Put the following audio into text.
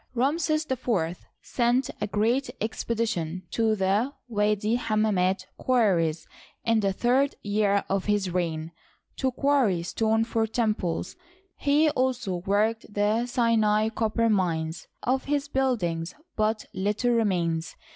Ramses IV sent a great expedition to the Widi Hamma mit quarries, in the third year of his reign, to quarry stone for temples. He also worked the Sinai copper mines. Of his buildings but little remains.